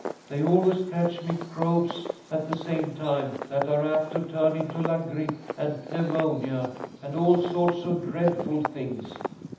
"They always catch microbes at the same time, that are apt to turn into la grippe and pneumonia and all sorts of dreadful things.